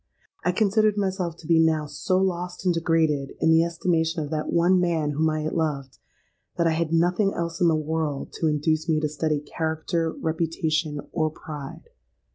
I considered myself to be now so lost and degraded in the estimation of that one man whom I had loved, that I had nothing else in the world to induce me to study character, reputation, or pride.